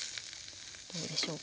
どうでしょうか？